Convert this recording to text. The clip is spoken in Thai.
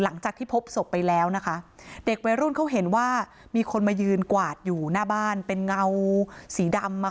หลังจากที่พบศพไปแล้วนะคะเด็กวัยรุ่นเขาเห็นว่ามีคนมายืนกวาดอยู่หน้าบ้านเป็นเงาสีดำอ่ะ